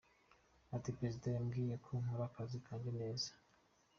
Ati “Perezida yambwiye ko nkora akazi kanjye neza.